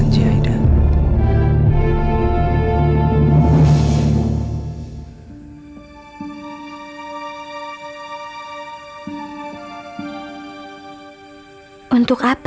aku pergi dulu ya sen